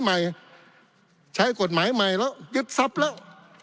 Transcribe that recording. ปี๑เกณฑ์ทหารแสน๒